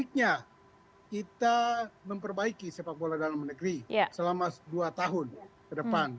sebaiknya kita memperbaiki sepak bola dalam negeri selama dua tahun ke depan